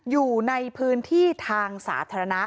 อยู่ในพื้นที่ทางสาธารณะ